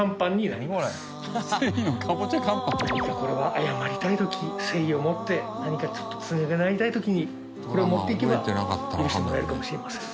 何かこれは謝りたい時誠意を持って何かちょっと償いたい時にこれを持っていけば許してもらえるかもしれません。